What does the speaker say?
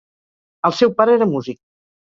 El seu pare era músic.